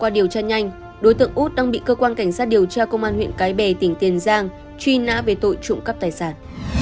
điều tra công an huyện cái bè tỉnh tiến giang truy nã về tội trụng cắp tài sản